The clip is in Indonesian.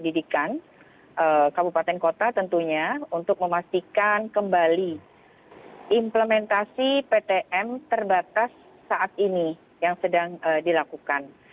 kami akan membangun komunikasi dengan kawan kawan pendidikan kabupaten kota tentunya untuk memastikan kembali implementasi ptm terbatas saat ini yang sedang dilakukan